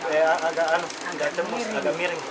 eh agak anum agak tembus agak miring